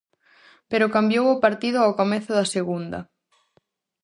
Pero cambiou o partido ao comezo da segunda.